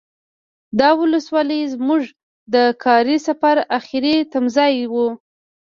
دا ولسوالي زمونږ د کاري سفر اخري تمځای و.